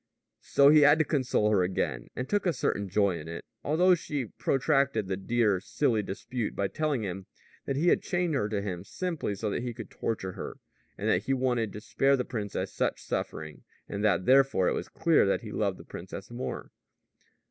So he had to console her again, and took a certain joy in it, although she protracted the dear, silly dispute by telling him that he had chained her to him simply so that he could torture her, and that he had wanted to spare the princess such suffering, and that therefore it was clear that he loved the princess more.